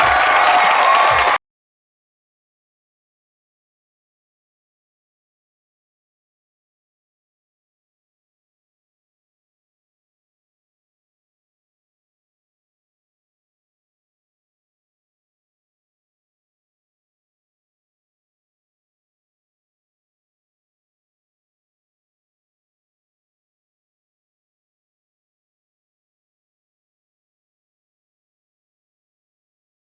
โปรดติดตามตอนต่อไป